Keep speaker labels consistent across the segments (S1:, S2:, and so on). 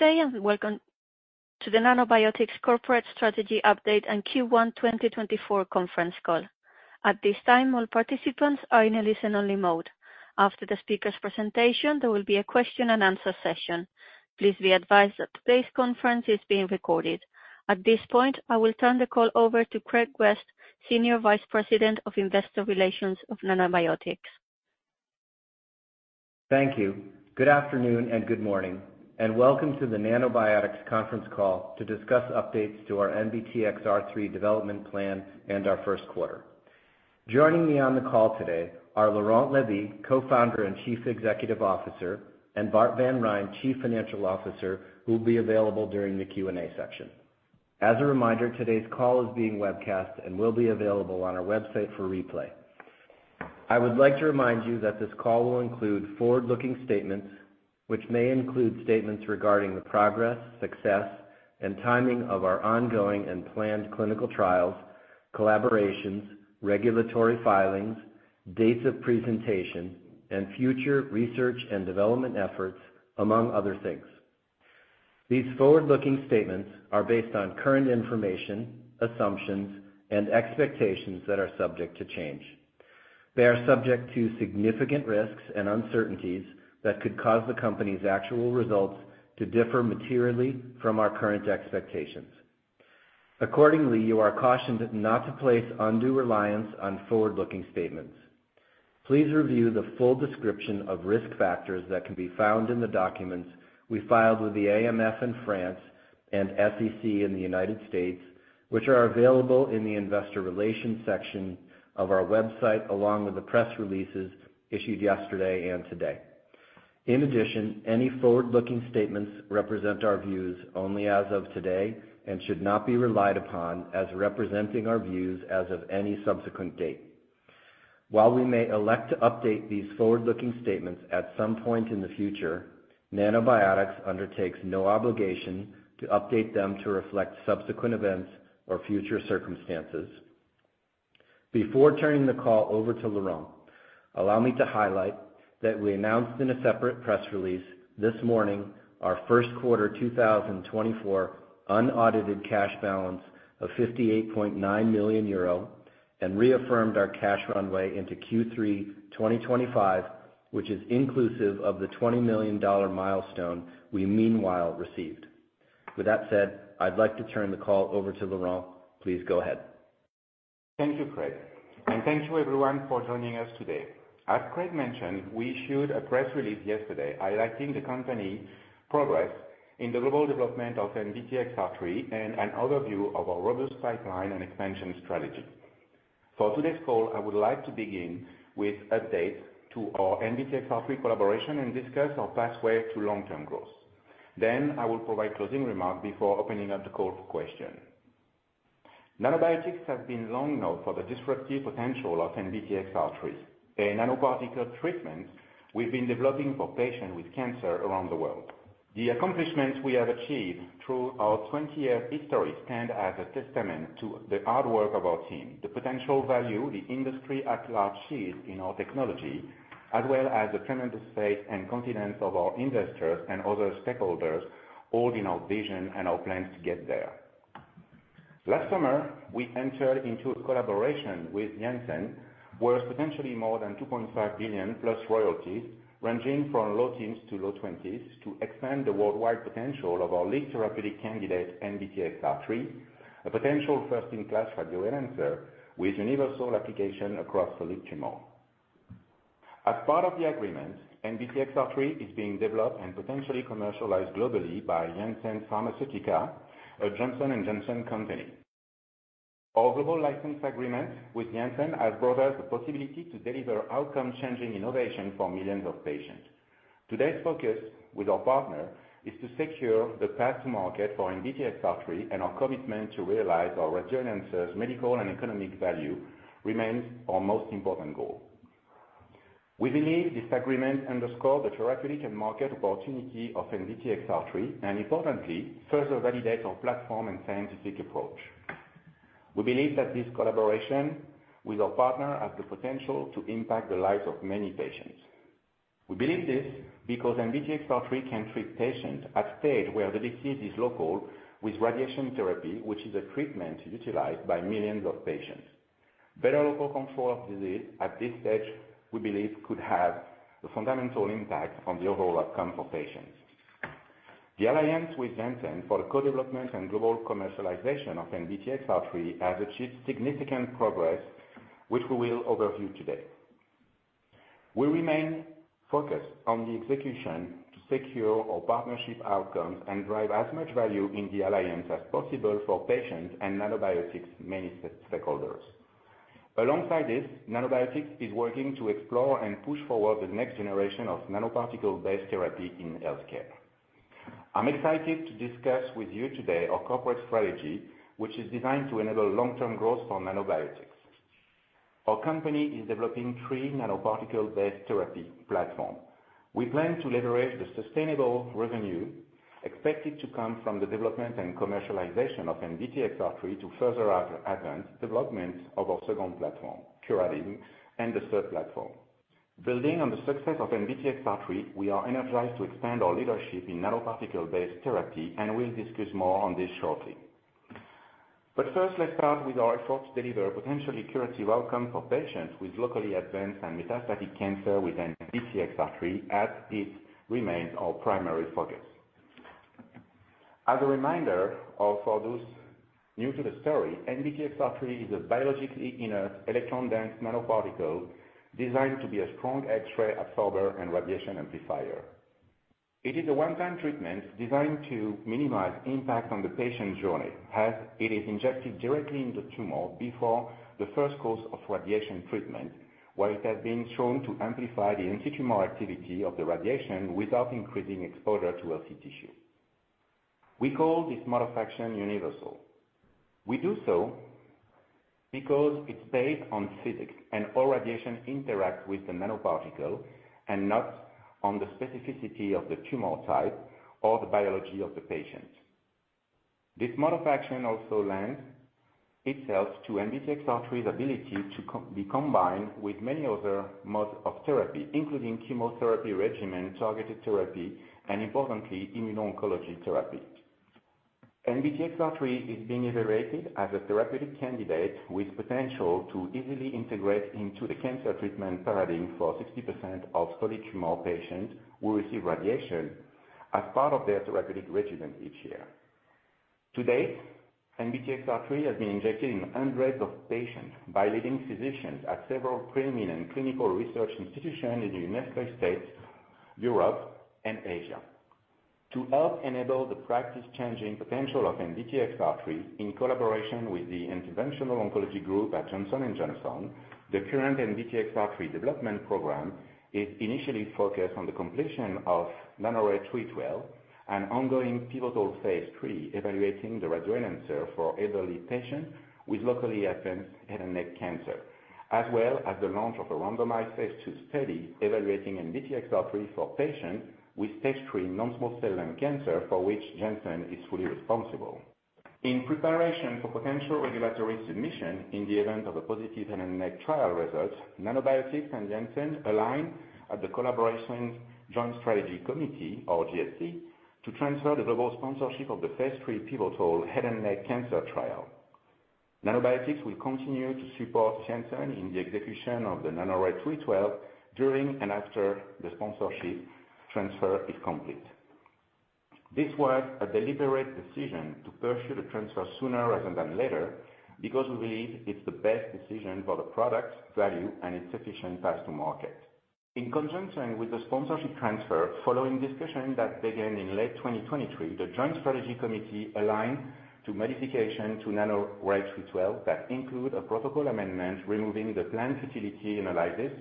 S1: Good day, and welcome to the Nanobiotix Corporate Strategy Update and Q1 2024 conference call. At this time, all participants are in a listen-only mode. After the speaker's presentation, there will be a question and answer session. Please be advised that today's conference is being recorded. At this point, I will turn the call over to Craig West, Senior Vice President of Investor Relations of Nanobiotix.
S2: Thank you. Good afternoon, and good morning, and welcome to the Nanobiotix conference call to discuss updates to our NBTXR3 development plan and our first quarter. Joining me on the call today are Laurent Lévy, Co-founder and Chief Executive Officer, and Bart van Rhijn, Chief Financial Officer, who will be available during the Q&A section. As a reminder, today's call is being webcast and will be available on our website for replay. I would like to remind you that this call will include forward-looking statements, which may include statements regarding the progress, success, and timing of our ongoing and planned clinical trials, collaborations, regulatory filings, dates of presentation, and future research and development efforts, among other things. These forward-looking statements are based on current information, assumptions, and expectations that are subject to change. They are subject to significant risks and uncertainties that could cause the company's actual results to differ materially from our current expectations. Accordingly, you are cautioned not to place undue reliance on forward-looking statements. Please review the full description of risk factors that can be found in the documents we filed with the AMF in France and SEC in the United States, which are available in the investor relations section of our website, along with the press releases issued yesterday and today. In addition, any forward-looking statements represent our views only as of today and should not be relied upon as representing our views as of any subsequent date. While we may elect to update these forward-looking statements at some point in the future, Nanobiotix undertakes no obligation to update them to reflect subsequent events or future circumstances. Before turning the call over to Laurent, allow me to highlight that we announced in a separate press release this morning our first quarter 2024 unaudited cash balance of 58.9 million euro, and reaffirmed our cash runway into Q3 2025, which is inclusive of the $20 million milestone we meanwhile received. With that said, I'd like to turn the call over to Laurent. Please go ahead.
S3: Thank you, Craig, and thank you everyone for joining us today. As Craig mentioned, we issued a press release yesterday highlighting the company progress in the global development of NBTXR3 and an overview of our robust pipeline and expansion strategy. For today's call, I would like to begin with updates to our NBTXR3 collaboration and discuss our pathway to long-term growth. Then, I will provide closing remarks before opening up the call for question. Nanobiotix has been long known for the disruptive potential of NBTXR3, a nanoparticle treatment we've been developing for patients with cancer around the world. The accomplishments we have achieved through our 20-year history stand as a testament to the hard work of our team, the potential value the industry at large sees in our technology, as well as the tremendous faith and confidence of our investors and other stakeholders holding our vision and our plans to get there. Last summer, we entered into a collaboration with Janssen, worth potentially more than $2.5 billion+ royalties, ranging from low teens-low twenties, to expand the worldwide potential of our lead therapeutic candidate, NBTXR3, a potential first-in-class radiotheranostic with universal application across solid tumor. As part of the agreement, NBTXR3 is being developed and potentially commercialized globally by Janssen Pharmaceutica, a Johnson & Johnson company. Our global license agreement with Janssen has brought us the possibility to deliver outcome-changing innovation for millions of patients. Today's focus with our partner is to secure the path to market for NBTXR3, and our commitment to realize our radiotheranostic medical and economic value remains our most important goal. We believe this agreement underscores the therapeutic and market opportunity of NBTXR3, and importantly, further validates our platform and scientific approach. We believe that this collaboration with our partner has the potential to impact the lives of many patients. We believe this because NBTXR3 can treat patients at stage where the disease is local, with radiation therapy, which is a treatment utilized by millions of patients. Better local control of disease at this stage, we believe, could have a fundamental impact on the overall outcome for patients. The alliance with Janssen for the co-development and global commercialization of NBTXR3 has achieved significant progress, which we will overview today. We remain focused on the execution to secure our partnership outcomes and drive as much value in the alliance as possible for patients and Nanobiotix's many stakeholders. Alongside this, Nanobiotix is working to explore and push forward the next generation of nanoparticle-based therapy in healthcare. I'm excited to discuss with you today our corporate strategy, which is designed to enable long-term growth for Nanobiotix. Our company is developing three nanoparticle-based therapy platform. We plan to leverage the sustainable revenue expected to come from the development and commercialization of NBTXR3 to further advance development of our second platform, Curadigm, and the third platform... Building on the success of NBTXR3, we are energized to expand our leadership in nanoparticle-based therapy, and we'll discuss more on this shortly. First, let's start with our effort to deliver a potentially curative outcome for patients with locally advanced and metastatic cancer with NBTXR3, as it remains our primary focus. As a reminder, or for those new to the story, NBTXR3 is a biologically inert, electron-dense nanoparticle designed to be a strong X-ray absorber and radiation amplifier. It is a one-time treatment designed to minimize impact on the patient journey, as it is injected directly into the tumor before the first course of radiation treatment, where it has been shown to amplify the antitumor activity of the radiation without increasing exposure to healthy tissue. We call this mode of action universal. We do so because it's based on physics, and all radiation interacts with the nanoparticle and not on the specificity of the tumor type or the biology of the patient. This mode of action also lends itself to NBTXR3's ability to combine with many other modes of therapy, including chemotherapy regimen, targeted therapy, and importantly, immuno-oncology therapy. NBTXR3 is being evaluated as a therapeutic candidate with potential to easily integrate into the cancer treatment paradigm for 60% of solid tumor patients who receive radiation as part of their therapeutic regimen each year. To date, NBTXR3 has been injected in hundreds of patients by leading physicians at several pre-eminent clinical research institutions in the United States, Europe, and Asia. To help enable the practice-changing potential of NBTXR-3, in collaboration with the Interventional Oncology Group at Johnson & Johnson, the current NBTXR-3 development program is initially focused on the completion of NANORAY-312, an ongoing pivotal phase III, evaluating the radioenhancer for elderly patients with locally advanced head and neck cancer, as well as the launch of a randomized phase II study evaluating NBTXR-3 for patients with Stage III non-small cell lung cancer, for which Janssen is fully responsible. In preparation for potential regulatory submission in the event of a positive head and neck trial result, Nanobiotix and Janssen align at the collaboration's Joint Strategy Committee, or JSC, to transfer the global sponsorship of the phase III pivotal head and neck cancer trial. Nanobiotix will continue to support Janssen in the execution of the NANORAY-312, during and after the sponsorship transfer is complete. This was a deliberate decision to pursue the transfer sooner rather than later, because we believe it's the best decision for the product value and its efficient path to market. In conjunction with the sponsorship transfer, following discussions that began in late 2023, the Joint Strategy Committee aligned to modification to NANORAY-312 that include a protocol amendment, removing the planned futility analysis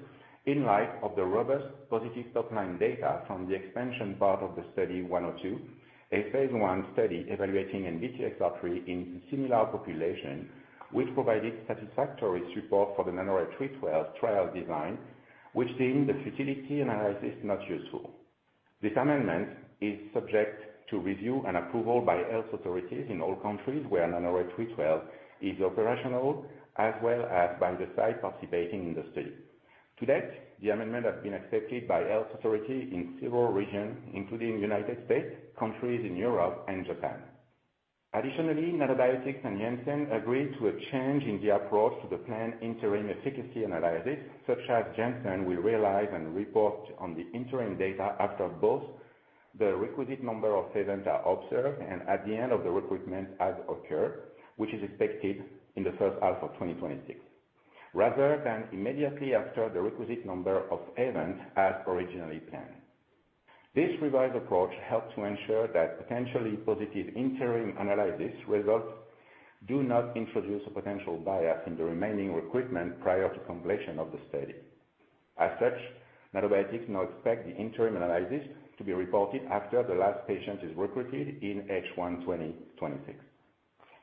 S3: in light of the robust positive top-line data from the expansion part of the Study 102, a phase I study evaluating NBTXR3 in similar population, which provided satisfactory support for the NANORAY-312 trial design, which deemed the futility analysis not useful. This amendment is subject to review and approval by health authorities in all countries where NANORAY-312 is operational, as well as by the site participating in the study. To date, the amendment has been accepted by health authority in several regions, including United States, countries in Europe, and Japan. Additionally, Nanobiotix and Janssen agreed to a change in the approach to the planned interim efficacy analysis, such that Janssen will realize and report on the interim data after both the requisite number of events are observed and at the end of the recruitment has occurred, which is expected in the first half of 2026, rather than immediately after the requisite number of events as originally planned. This revised approach helps to ensure that potentially positive interim analysis results do not introduce a potential bias in the remaining recruitment prior to completion of the study. As such, Nanobiotix now expect the interim analysis to be reported after the last patient is recruited in H1 2026.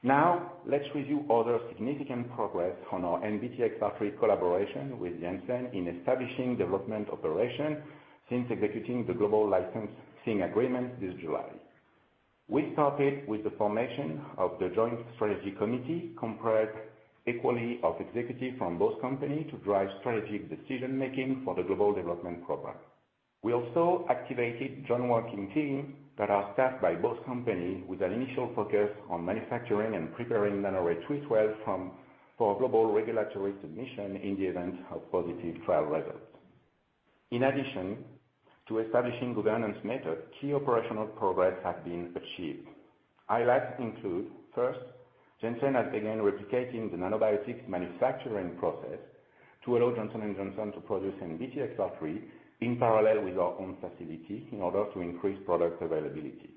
S3: Now, let's review other significant progress on our NBTXR3 collaboration with Janssen in establishing development operation since executing the global licensing agreement this July. We started with the formation of the Joint Strategy Committee, comprised equally of executives from both companies, to drive strategic decision-making for the global development program. We also activated joint working teams that are staffed by both companies, with an initial focus on manufacturing and preparing NANORAY-312 for global regulatory submission in the event of positive trial results. In addition to establishing governance methods, key operational progress have been achieved. Highlights include, first, Janssen has begun replicating the Nanobiotix manufacturing process to allow Johnson & Johnson to produce NBTXR3 in parallel with our own facility in order to increase product availability.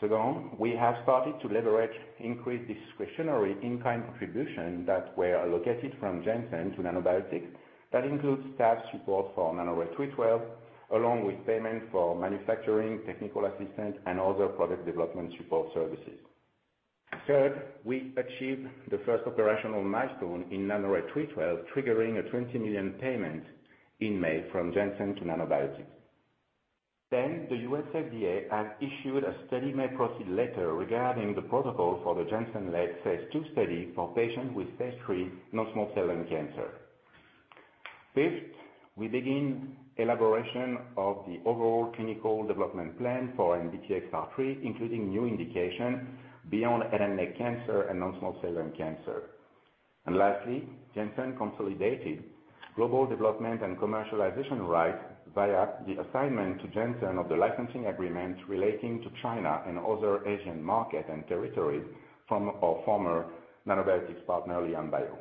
S3: Second, we have started to leverage increased discretionary in-kind contributions that were allocated from Janssen to Nanobiotix. That includes staff support for NANORAY-312, along with payment for manufacturing, technical assistance, and other product development support services. Third, we achieved the first operational milestone in NANORAY-312, triggering a $20 million payment in May from Janssen to Nanobiotix. Then the U.S. FDA has issued a study may proceed letter regarding the protocol for the Janssen-led phase II study for patients with Stage III non-small cell lung cancer. Fifth, we begin elaboration of the overall clinical development plan for NBTXR3, including new indication beyond head and neck cancer and non-small cell lung cancer. And lastly, Janssen consolidated global development and commercialization rights via the assignment to Janssen of the licensing agreement relating to China and other Asian markets and territories from our former Nanobiotix partner, LianBio.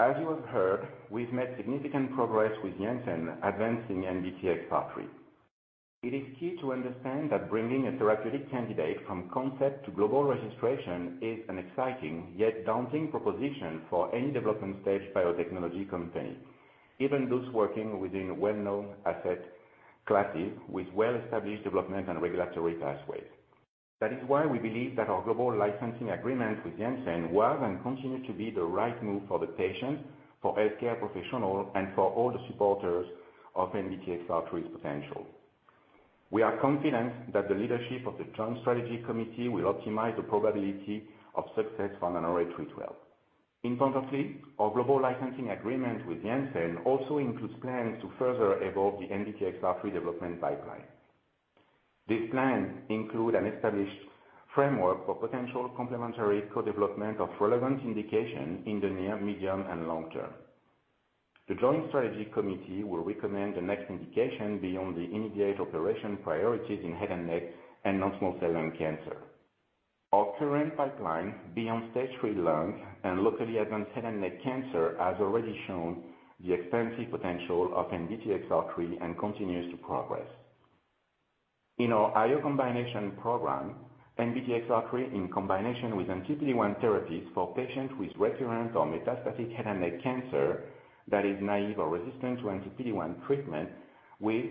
S3: As you have heard, we've made significant progress with Janssen advancing NBTXR3. It is key to understand that bringing a therapeutic candidate from concept to global registration is an exciting, yet daunting proposition for any development stage biotechnology company, even those working within well-known asset classes with well-established development and regulatory pathways. That is why we believe that our global licensing agreement with Janssen was, and continues to be, the right move for the patient, for healthcare professional, and for all the supporters of NBTXR3's potential. We are confident that the leadership of the Joint Strategy Committee will optimize the probability of success for NANORAY-312. Importantly, our global licensing agreement with Janssen also includes plans to further evolve the NBTXR3 development pipeline. These plans include an established framework for potential complementary co-development of relevant indication in the near, medium, and long term. The Joint Strategy Committee will recommend the next indication beyond the immediate operation priorities in head and neck and non-small cell lung cancer. Our current pipeline, beyond Stage III lung and locally advanced head and neck cancer, has already shown the expansive potential of NBTXR3 and continues to progress. In our IO combination program, NBTXR3, in combination with anti-PD-1 therapies for patients with recurrent or metastatic head and neck cancer that is naive or resistant to anti-PD-1 treatment, with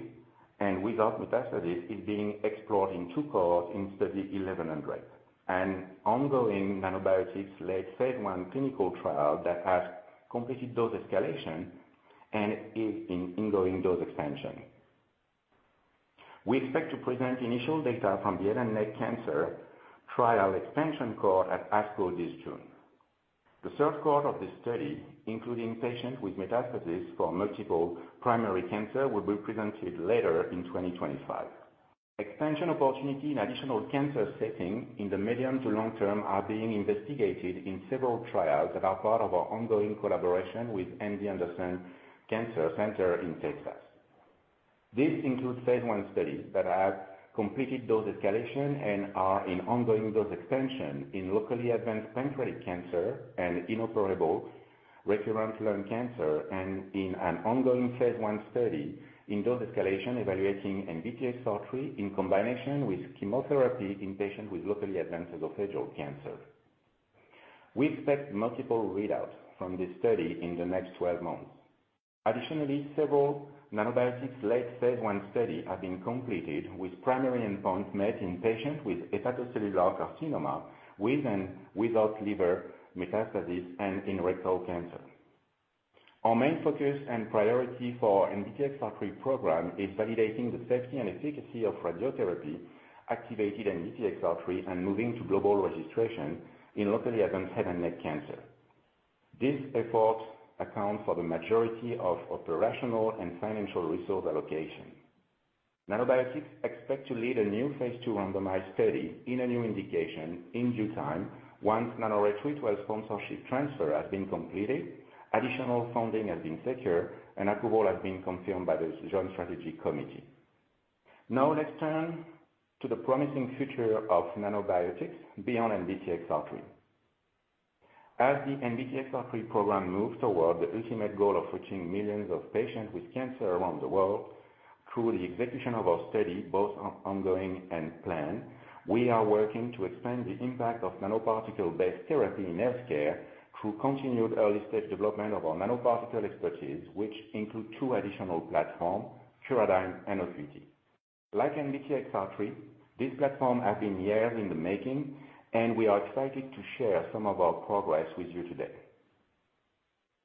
S3: and without metastasis, is being explored in two cohorts in Study 1100. An ongoing Nanobiotix-led phase I clinical trial that has completed dose escalation and is in ongoing dose expansion. We expect to present initial data from the head and neck cancer trial expansion cohort at ASCO this June. The third cohort of this study, including patients with metastasis for multiple primary cancer, will be presented later in 2025. Expansion opportunity in additional cancer setting in the medium to long term are being investigated in several trials that are part of our ongoing collaboration with MD Anderson Cancer Center in Texas. This includes phase I studies that have completed dose escalation and are in ongoing dose expansion in locally advanced pancreatic cancer and inoperable recurrent lung cancer, and in an ongoing phase I study in dose escalation, evaluating NBTXR3 in combination with chemotherapy in patients with locally advanced esophageal cancer. We expect multiple readouts from this study in the next 12 months. Additionally, several Nanobiotix-led phase I study have been completed, with primary endpoints met in patients with hepatocellular carcinoma, with and without liver metastasis and in rectal cancer. Our main focus and priority for NBTXR3 program is validating the safety and efficacy of radiotherapy, activated NBTXR3, and moving to global registration in locally advanced head and neck cancer. This effort accounts for the majority of operational and financial resource allocation. Nanobiotix expect to lead a new phase I randomized study in a new indication in due time, once NANORAY-312 sponsorship transfer has been completed, additional funding has been secured, and approval has been confirmed by the Joint Strategy Committee. Now, let's turn to the promising future of Nanobiotix beyond NBTXR3. As the NBTXR3 program moves toward the ultimate goal of reaching millions of patients with cancer around the world through the execution of our study, both ongoing and planned, we are working to expand the impact of nanoparticle-based therapy in healthcare through continued early stage development of our nanoparticle expertise, which include two additional platforms, Curadigm and OOcuity. Like NBTXR3, this platform has been years in the making, and we are excited to share some of our progress with you today.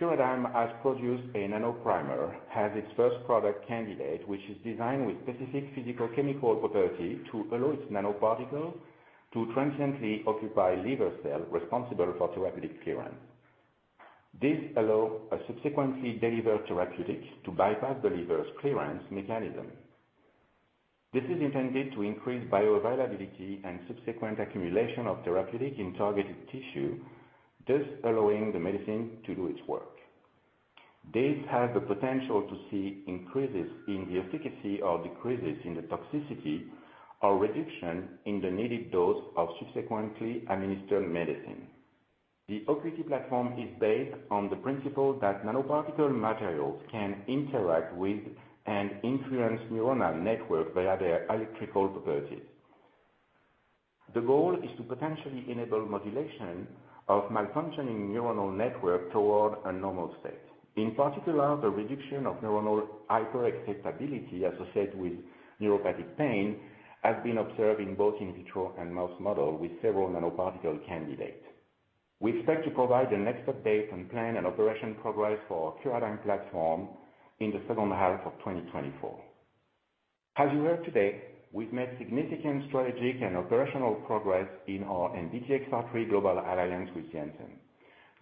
S3: Curadigm has produced a Nanoprimer, has its first product candidate, which is designed with specific physical chemical properties to allow its nanoparticle to transiently occupy liver cell responsible for therapeutic clearance. This allows a subsequently delivered therapeutic to bypass the liver's clearance mechanism. This is intended to increase bioavailability and subsequent accumulation of therapeutic in targeted tissue, thus allowing the medicine to do its work. This has the potential to see increases in the efficacy or decreases in the toxicity, or reduction in the needed dose of subsequently administered medicine. The OOcuity platform is based on the principle that nanoparticle materials can interact with and influence neuronal networks via their electrical properties. The goal is to potentially enable modulation of malfunctioning neuronal network toward a normal state. In particular, the reduction of neuronal hyperexcitability associated with neuropathic pain has been observed in both in vitro and mouse model with several nanoparticle candidates. We expect to provide an expert base on plan and operation progress for our Curadigm platform in the second half of 2024. As you heard today, we've made significant strategic and operational progress in our NBTXR3 global alliance with Janssen.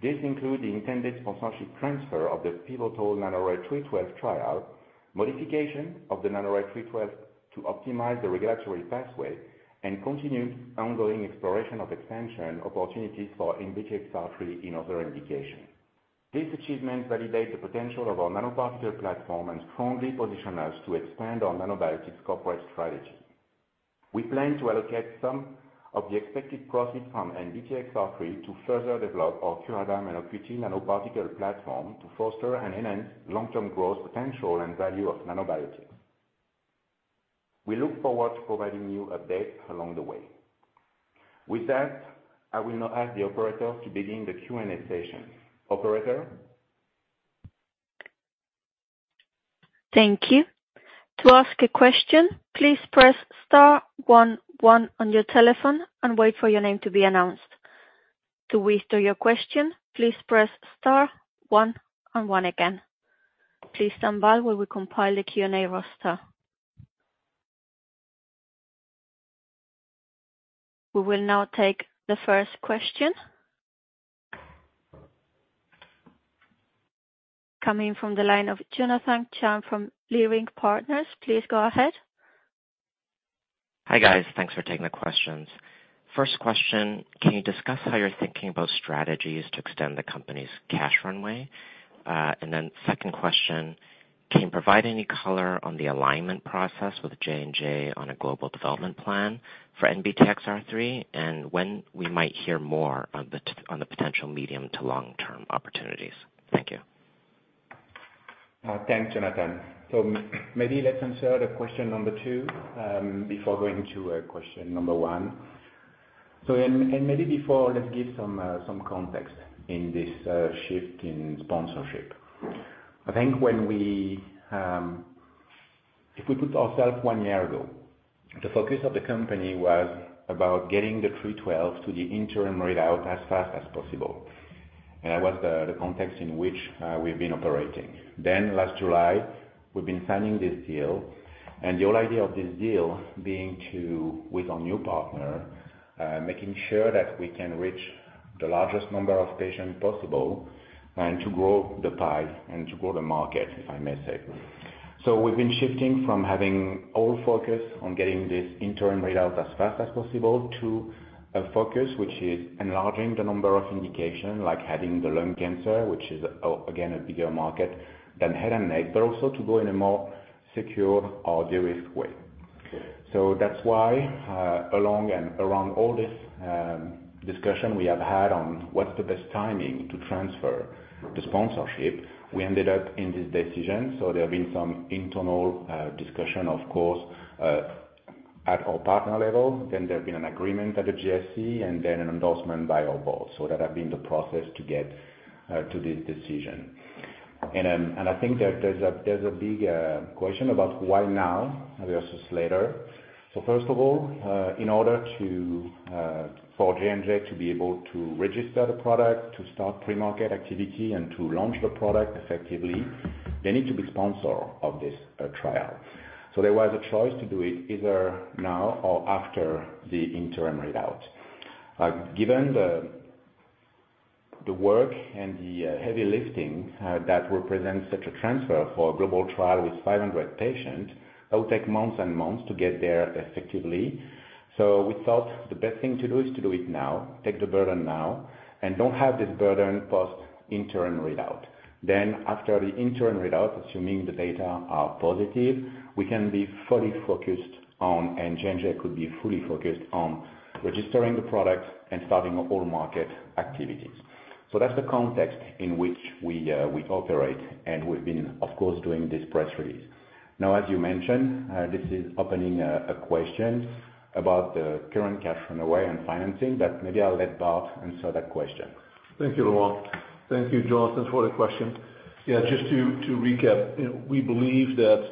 S3: This include the intended sponsorship transfer of the pivotal NANORAY-312 trial, modification of the NANORAY-312 to optimize the regulatory pathway, and continued ongoing exploration of expansion opportunities for NBTXR3 in other indications. These achievements validate the potential of our nanoparticle platform and strongly position us to expand our Nanobiotix corporate strategy. We plan to allocate some of the expected profits from NBTXR3 to further develop our Curadigm Nanoprimer nanoparticle platform to foster and enhance long-term growth, potential, and value of Nanobiotix. We look forward to providing you updates along the way. With that, I will now ask the operator to begin the Q&A session. Operator?
S1: Thank you. To ask a question, please press star one one on your telephone and wait for your name to be announced. To withdraw your question, please press star one and one again. Please stand by while we compile the Q&A roster. We will now take the first question. Coming from the line of Jonathan Chang from Leerink Partners, please go ahead.
S4: Hi, guys. Thanks for taking the questions. First question, can you discuss how you're thinking about strategies to extend the company's cash runway? And then second question, can you provide any color on the alignment process with J&J, on a global development plan for NBTXR3, and when we might hear more on the potential medium to long-term opportunities? Thank you.
S3: Thanks, Jonathan. So maybe let's answer the question number 2 before going to question number 1. So and, and maybe before, let's give some context in this shift in sponsorship. I think when we, if we put ourself 1 year ago, the focus of the company was about getting the 312 to the interim readout as fast as possible, and that was the context in which we've been operating. Then last July, we've been signing this deal, and the whole idea of this deal being to, with our new partner, making sure that we can reach the largest number of patients possible, and to grow the pie and to grow the market, if I may say. So we've been shifting from having all focus on getting this interim readout as fast as possible, to a focus which is enlarging the number of indication, like adding the lung cancer, which is, again, a bigger market than head and neck, but also to go in a more secure or de-risk way. So that's why, along and around all this, discussion we have had on what's the best timing to transfer the sponsorship, we ended up in this decision. So there have been some internal, discussion, of course, at our partner level. Then there have been an agreement at the GSC, and then an endorsement by our board. So that have been the process to get, to this decision. And, and I think that there's a, there's a big, question about why now versus later. First of all, in order to for J&J, to be able to register the product, to start pre-market activity, and to launch the product effectively, they need to be sponsor of this trial. There was a choice to do it either now or after the interim readout. Given the work and the heavy lifting that represents such a transfer for a global trial with 500 patients, that will take months and months to get there effectively. We thought the best thing to do is to do it now, take the burden now, and don't have this burden post-interim readout. After the interim readout, assuming the data are positive, we can be fully focused on, and J&J, could be fully focused on registering the product and starting all market activities. So that's the context in which we, we operate, and we've been, of course, doing this press release. Now, as you mentioned, this is opening a question about the current cash runway and financing, but maybe I'll let Bart answer that question.
S5: Thank you, Laurent. Thank you, Jonathan, for the question. Yeah, just to recap, you know, we believe that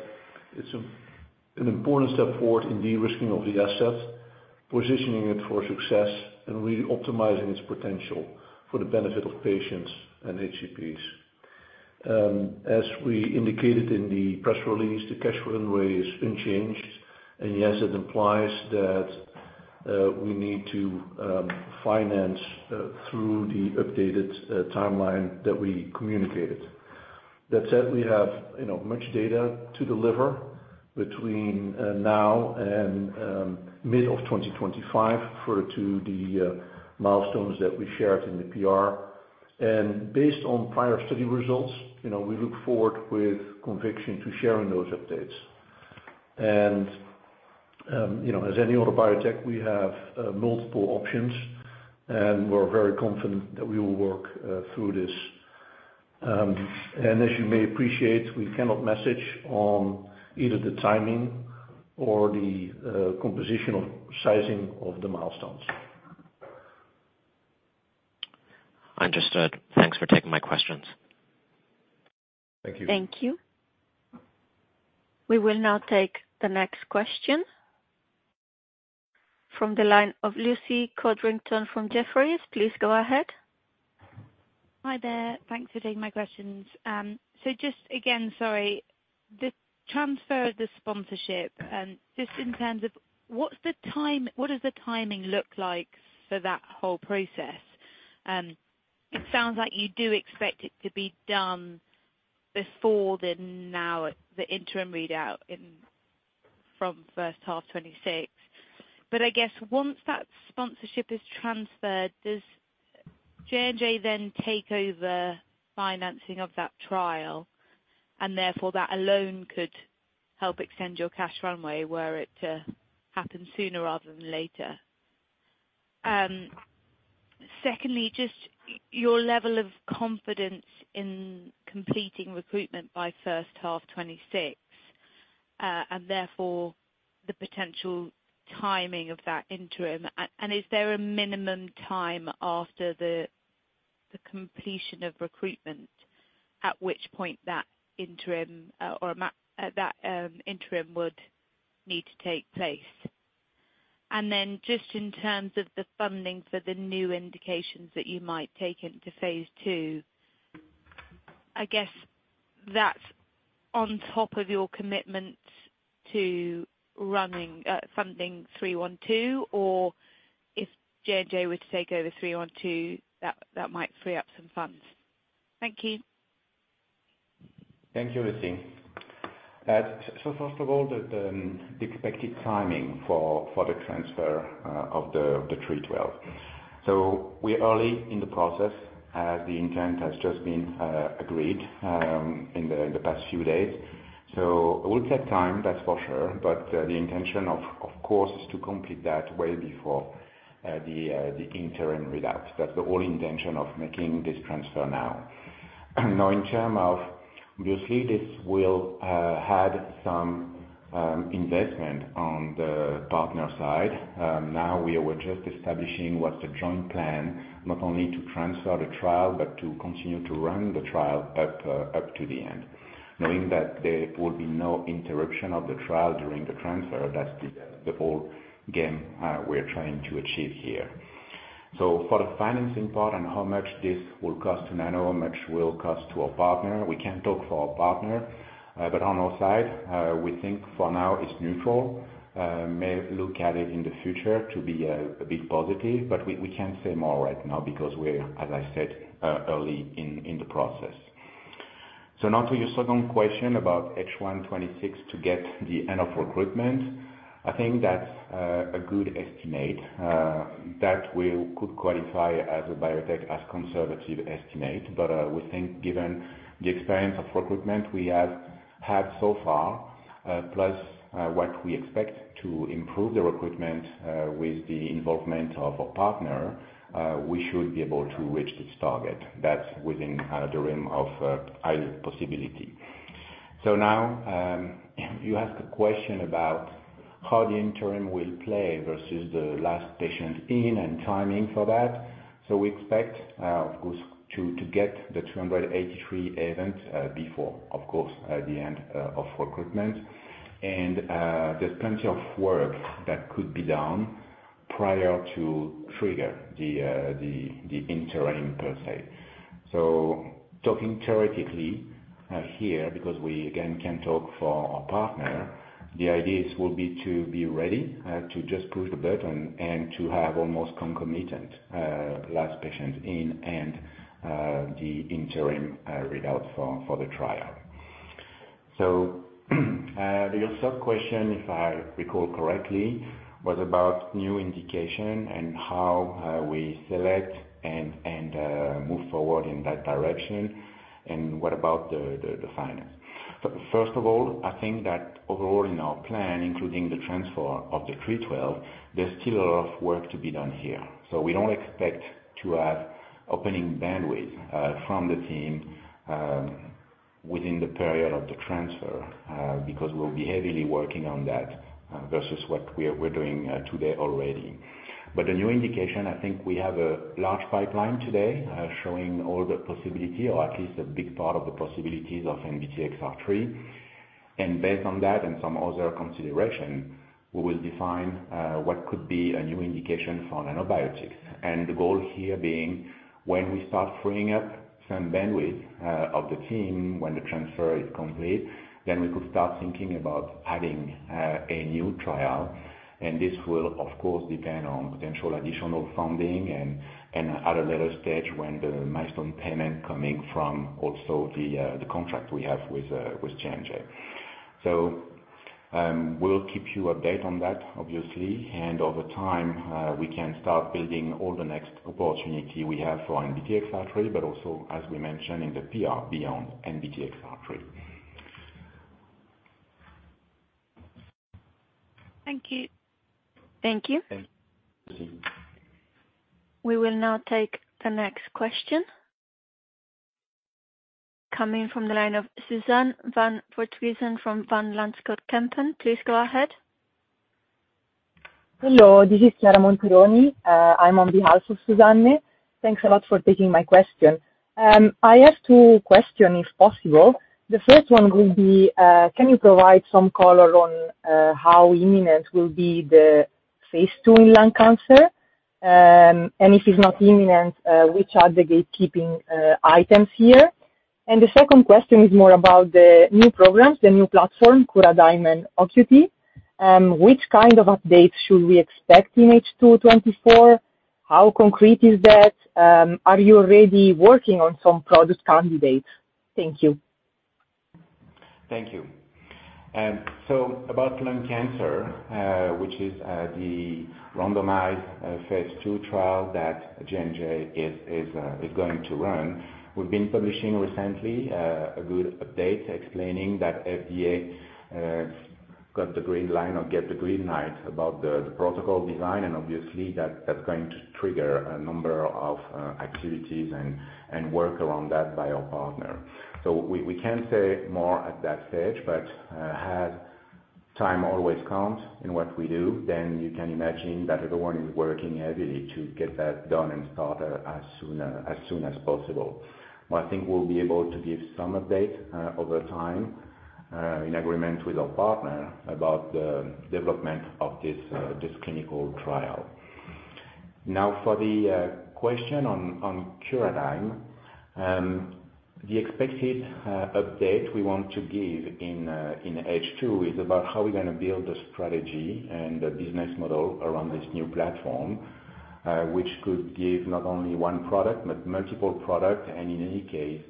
S5: it's an important step forward in de-risking of the asset, positioning it for success, and really optimizing its potential for the benefit of patients and HCPs. As we indicated in the press release, the cash runway is unchanged, and yes, it implies that we need to finance through the updated timeline that we communicated. That said, we have, you know, much data to deliver between now and mid of 2025 for the milestones that we shared in the PR. And based on prior study results, you know, we look forward with conviction to sharing those updates. And you know, as any other biotech, we have multiple options, and we're very confident that we will work through this. As you may appreciate, we cannot comment on either the timing or the composition or sizing of the milestones.
S4: Understood. Thanks for taking my questions.
S5: Thank you.
S1: Thank you. We will now take the next question from the line of Lucy Codrington from Jefferies. Please go ahead.
S6: Hi there. Thanks for taking my questions. So just again, sorry, the transfer of the sponsorship, just in terms of what does the timing look like for that whole process? It sounds like you do expect it to be done before the interim readout in the first half of 2026. But I guess once that sponsorship is transferred, does J&J then take over financing of that trial, and therefore that alone could help extend your cash runway, where it happens sooner rather than later? Secondly, just your level of confidence in completing recruitment by first half 2026, and therefore the potential timing of that interim. And is there a minimum time after the completion of recruitment, at which point that interim would need to take place? And then just in terms of the funding for the new indications that you might take into phase II, I guess that's on top of your commitment to running, funding 312, or if J&J, were to take over 312, that, that might free up some funds. Thank you.
S3: Thank you, Lucy. So first of all, the expected timing for the transfer of the three twelve. So we're early in the process, the intent has just been agreed in the past few days. So it will take time, that's for sure, but the intention of course is to complete that way before the interim readout. That's the whole intention of making this transfer now. Now, in terms of obviously, this will add some investment on the partner side. Now we are just establishing what's the joint plan, not only to transfer the trial, but to continue to run the trial up to the end. Knowing that there will be no interruption of the trial during the transfer, that's the whole game we're trying to achieve here. So for the financing part, and how much this will cost to Nano, how much will cost to our partner, we can't talk for our partner. But on our side, we think for now it's neutral, may look at it in the future to be a bit positive, but we can't say more right now because we're, as I said, early in the process. So now to your second question about H1 2026 to get the end of recruitment, I think that's a good estimate. That we could qualify as a biotech, as a conservative estimate, but we think given the experience of recruitment we have had so far, plus what we expect to improve the recruitment with the involvement of a partner, we should be able to reach this target. That's within the realm of high possibility. So now, you asked a question about how the interim will play versus the last patient in and timing for that. So we expect, of course, to get the 283 events before, of course, the end of recruitment. And there's plenty of work that could be done prior to trigger the interim per se. So talking theoretically, here, because we, again, can't talk for our partner, the idea is will be to be ready, to just push the button and to have almost concomitant, last patient in and, the interim, readout for, for the trial. So, your third question, if I recall correctly, was about new indication and how, we select and, move forward in that direction, and what about the, the finance? First of all, I think that overall in our plan, including the transfer of the 312, there's still a lot of work to be done here. So we don't expect to have opening bandwidth, from the team, within the period of the transfer, because we'll be heavily working on that, versus what we're doing, today already. But the new indication, I think we have a large pipeline today, showing all the possibility or at least a big part of the possibilities of NBTXR3. And based on that and some other consideration, we will define what could be a new indication for Nanobiotix. And the goal here being, when we start freeing up some bandwidth of the team, when the transfer is complete, then we could start thinking about adding a new trial. And this will, of course, depend on potential additional funding and, and at a later stage, when the milestone payment coming from also the, the contract we have with, with J&J. So, we'll keep you updated on that, obviously, and over time, we can start building all the next opportunity we have for NBTXR3, but also, as we mentioned in the PR, beyond NBTXR3.
S1: Thank you.
S3: Thank you.
S1: We will now take the next question, coming from the line of Suzanne van Voorthuizen from Van Lanschot Kempen. Please go ahead.
S7: Hello, this is Chiara Montironi. I'm on behalf of Suzanne. Thanks a lot for taking my question. I have two questions, if possible. The first one will be, can you provide some color on, how imminent will be the phase II in lung cancer? And if it's not imminent, which are the gatekeeping items here? The second question is more about the new programs, the new platform, Curadigm and OOcuity. Which kind of updates should we expect in H2 2024? How concrete is that? Are you already working on some product candidates? Thank you.
S3: Thank you. So about lung cancer, which is the randomized phase II trial that J&J, is going to run. We've been publishing recently a good update explaining that FDA got the green line or get the green light about the protocol design, and obviously that's going to trigger a number of activities and work around that by our partner. So we can't say more at that stage, but as time always counts in what we do, then you can imagine that everyone is working heavily to get that done and started as soon as possible. I think we'll be able to give some update over time in agreement with our partner about the development of this clinical trial. Now, for the question on Curadigm, the expected update we want to give in H2 is about how we're gonna build the strategy and the business model around this new platform, which could give not only one product, but multiple product, and in any case,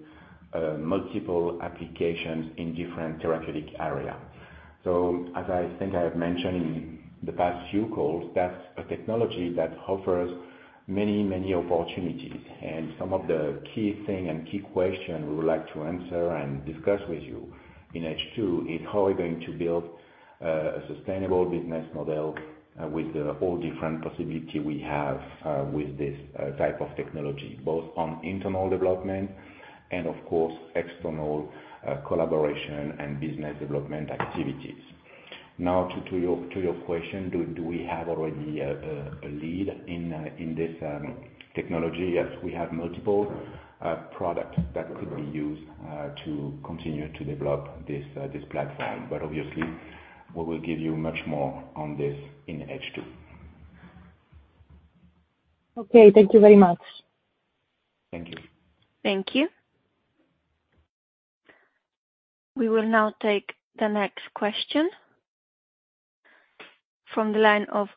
S3: multiple applications in different therapeutic area. So as I think I have mentioned in the past few calls, that's a technology that offers many, many opportunities. And some of the key thing and key question we would like to answer and discuss with you in H2, is how we're going to build a sustainable business model with the whole different possibility we have with this type of technology, both on internal development and of course, external collaboration and business development activities. Now, to your question, do we have already a lead in this technology? Yes, we have multiple products that could be used to continue to develop this platform. But obviously, we will give you much more on this in H2.
S7: Okay. Thank you very much.
S3: Thank you.
S1: Thank you. We will now take the next question from the line of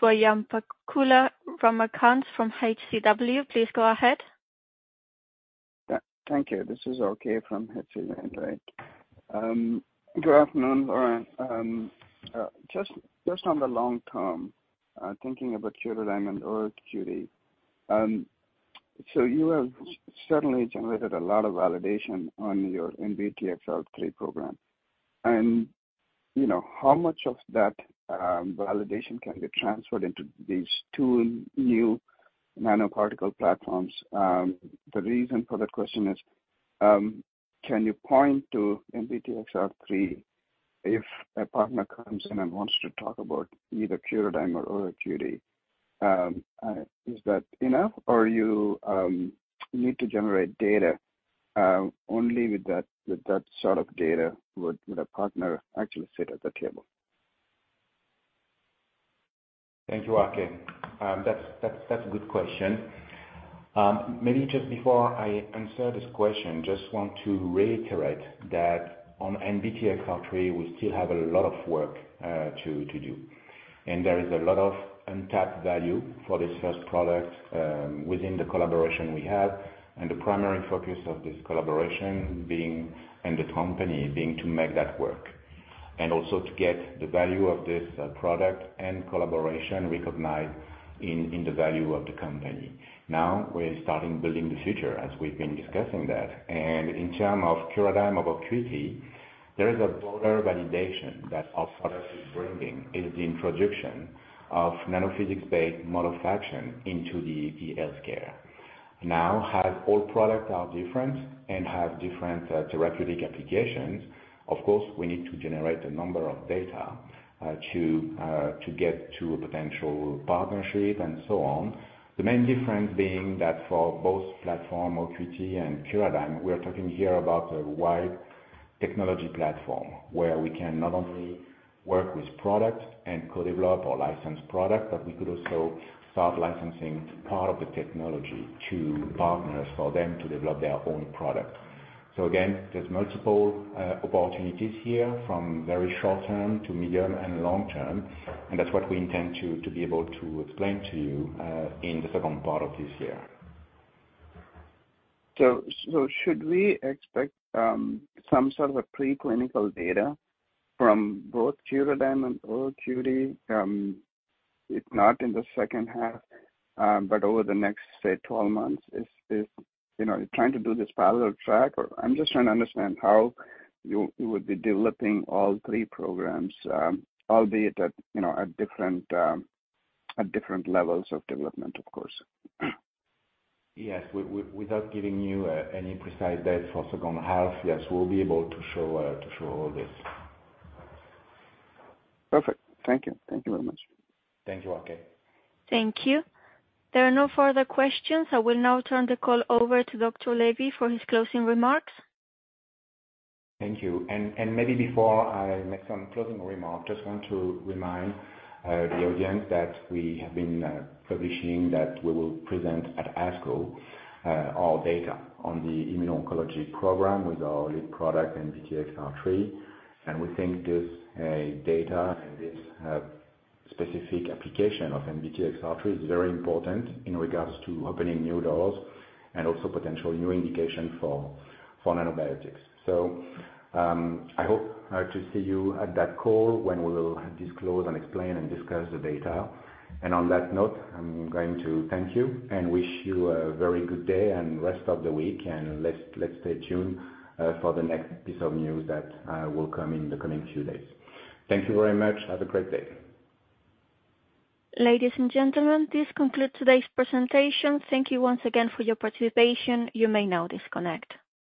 S1: Swayampakula Ramakanth from H.C. Wainwright. Please go ahead.
S8: Thank you. This is RK from HCW, right? Good afternoon, Laurent. Just on the long term, thinking about Curadigm and OOcuity, so you have certainly generated a lot of validation on your NBTXR3 program, and, you know, how much of that validation can be transferred into these two new nanoparticle platforms? The reason for that question is, can you point to NBTXR3 if a partner comes in and wants to talk about either Curadigm or OOcuity, is that enough or you need to generate data only with that, with that sort of data, would the partner actually sit at the table?
S3: Thank you, RK. That's a good question. Maybe just before I answer this question, just want to reiterate that on NBTXR3, we still have a lot of work to do, and there is a lot of untapped value for this first product within the collaboration we have, and the primary focus of this collaboration being and the company, being to make that work. And also to get the value of this product and collaboration recognized in the value of the company. Now, we're starting building the future, as we've been discussing that. And in terms of Curadigm, of OOcuity, there is a broader validation that our product is bringing, is the introduction of nanophysics-based manufacturing into the healthcare. Now, as all products are different and have different, therapeutic applications, of course, we need to generate a number of data, to, to get to a potential partnership and so on. The main difference being that for both platform, OOcuity and Curadigm, we are talking here about a wide technology platform, where we can not only work with products and co-develop or license product, but we could also start licensing part of the technology to partners for them to develop their own product. So again, there's multiple, opportunities here, from very short term to medium and long term, and that's what we intend to, to be able to explain to you, in the second part of this year.
S8: So, should we expect some sort of a preclinical data from both Curadigm and OOcuity, if not in the second half, but over the next, say, 12 months? You know, trying to do this parallel track or I'm just trying to understand how you would be developing all three programs, albeit at, you know, at different levels of development, of course.
S3: Yes. Without giving you any precise date for second half, yes, we'll be able to show all this.
S8: Perfect. Thank you. Thank you very much.
S3: Thank you, RK.
S1: Thank you. There are no further questions. I will now turn the call over to Dr. Lévy for his closing remarks.
S3: Thank you. And maybe before I make some closing remarks, just want to remind the audience that we have been publishing that we will present at ASCO our data on the immuno-oncology program with our lead product, NBTXR3. And we think this data and this specific application of NBTXR3 is very important in regards to opening new doors and also potential new indication for Nanobiotix. So, I hope to see you at that call when we will disclose and explain and discuss the data. And on that note, I'm going to thank you and wish you a very good day and rest of the week, and let's stay tuned for the next piece of news that will come in the coming few days. Thank you very much. Have a great day.
S1: Ladies and gentlemen, this concludes today's presentation. Thank you once again for your participation. You may now disconnect.